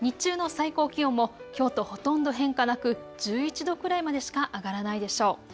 最高気温もきょうとほとんど変化なく１１度くらいまでしか上がらないでしょう。